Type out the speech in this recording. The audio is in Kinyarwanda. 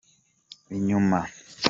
inyuma.